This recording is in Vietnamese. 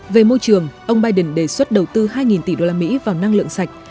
về môi trường ông biden đề xuất đầu tư hai tỷ đô la mỹ vào năng lượng sạch